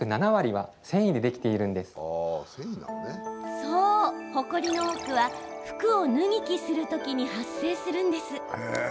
そう、ほこりの多くは服を脱ぎ着する時に発生するんです。